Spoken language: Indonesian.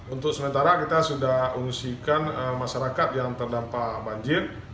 untuk sementara kita sudah ungsikan masyarakat yang terdampak banjir